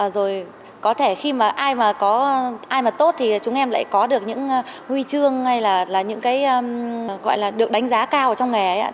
rồi có thể khi mà ai mà có ai mà tốt thì chúng em lại có được những huy chương hay là những cái gọi là được đánh giá cao ở trong nghề ấy